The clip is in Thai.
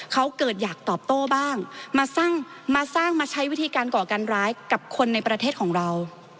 เขาเกิดอยากตอบโต้บ้างมาสร้างมาสร้างมาใช้วิธีการก่อการร้ายกับคนในประเทศของเรา